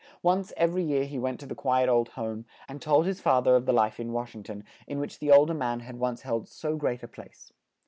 Once ev er y year he went to the qui et old home, and told his fa ther of the life in Wash ing ton, in which the old er man had once held so great a place.